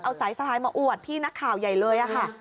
เอาสายสะพายมาอวดพี่นักข่าวใหญ่เลยค่ะ